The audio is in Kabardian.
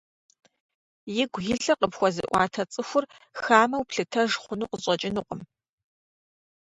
Игу илъыр къыпхуэзыӀуатэ цӀыхур хамэу плъытэж хъуну къыщӀэкӀынукъым.